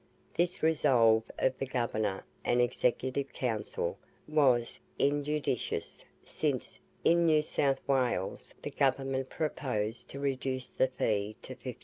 This resolve of the Governor and Executive Council was injudicious, since, in New South Wales, the Government proposed to reduce the fee to 15s.